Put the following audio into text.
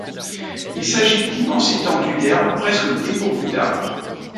Il s'agit d'immenses étendues d'herbes presque dépourvues d'arbres.